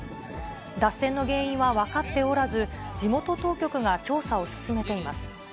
脱線の原因は分かっておらず、地元当局が調査を進めています。